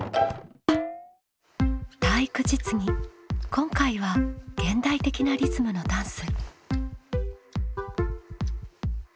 今回は「現代的なリズムのダンス」。